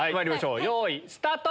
よいスタート！